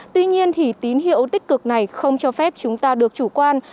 tuy nhiên thì tín hiệu tích cực này không cho phép chúng ta được chủ quan